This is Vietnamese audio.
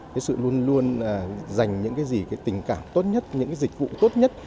cái sự luôn luôn dành những cái gì cái tình cảm tốt nhất những cái dịch vụ tốt nhất